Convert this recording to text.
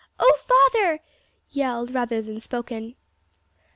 O father!" yelled, rather than spoken.